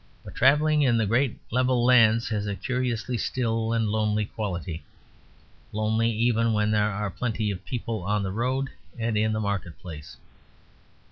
But travelling in the great level lands has a curiously still and lonely quality; lonely even when there are plenty of people on the road and in the market place.